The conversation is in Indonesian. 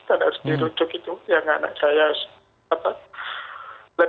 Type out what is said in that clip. kan harus diruduk itu yang anak saya